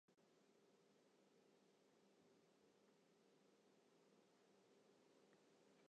It gebou fan de basisskoalle is al mear as hûndert jier âld.